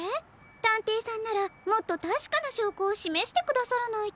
たんていさんならもっとたしかなしょうこをしめしてくださらないと。